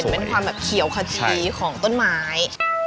เป็นความแบบเขียวขชีของต้นไม้